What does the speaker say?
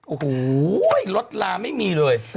โอ้โหรถลาไม่มีเลย